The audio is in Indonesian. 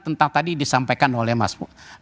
tentang tadi disampaikan oleh mas